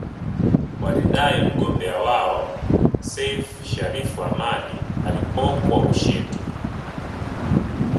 Walidai mgombea wao Seif Shariff Hamad alipokwa ushindi